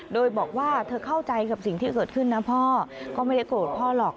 โดยบอกว่าเธอเข้าใจกับสิ่งที่เกิดขึ้นนะพ่อก็ไม่ได้โกรธพ่อหรอก